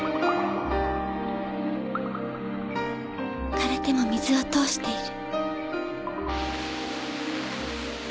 枯れても水を通している。